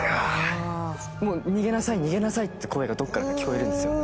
もう逃げなさい逃げなさいって声がどっからか聞こえるんですよ。